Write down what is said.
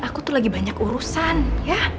aku tuh lagi banyak urusan ya